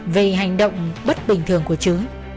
vì hành động bất bình thường của trứ